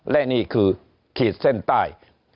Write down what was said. และนี่คือขีดเส้นใต้